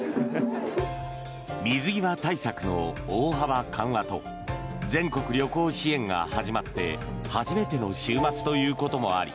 水際対策の大幅緩和と全国旅行支援が始まって初めての週末ということもあり